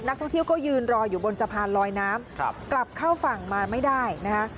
นักท่องเที่ยวก็ยืนรออยู่บนสะพานลอยน้ำกลับเข้าฝั่งมาไม่ได้นะคะ